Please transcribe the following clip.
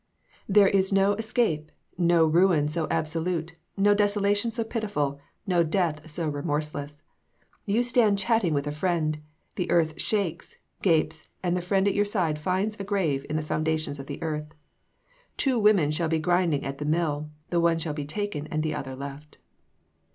There is no escape; no ruin so absolute; no desolation so pitiful; no death so remorseless. You stand chatting with a friend, the earth shakes, gapes, and the friend at your side finds a grave in the foundations of the earth. "Two women shall be grinding at the mill, the one shall be taken and the other left."